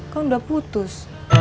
kamu udah putus